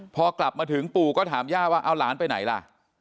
พอกลับมาถึงปู่ก็ถามย่าว่าเอาหลานไปไหนล่ะ